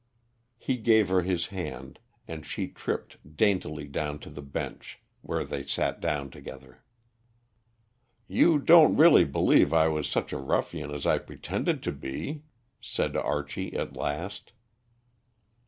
He gave her his hand, and she tripped daintily down to the bench, where they sat down together. "You don't really believe I was such a ruffian as I pretended to be?" said Archie at last.